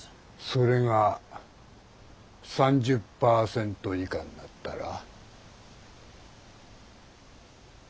それが３０％以下になったら。